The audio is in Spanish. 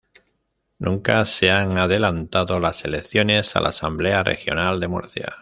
Nunca se han adelantado las elecciones a la Asamblea Regional de Murcia.